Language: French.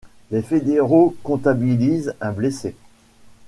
Le fédéraux comptabilisent un blessé.